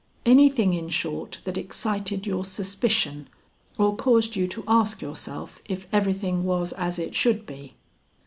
anything in short, that excited your suspicion or caused you to ask yourself if everything was as it should be?"